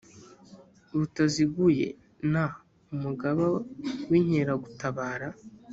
butaziguye n umugaba w inkeragutabara